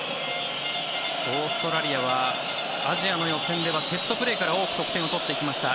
オーストラリアはアジアの予選ではセットプレーから多く得点を取っていきました。